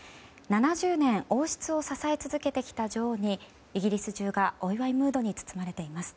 ７０年王室を支え続けてきた女王にイギリス中がお祝いムードに包まれています。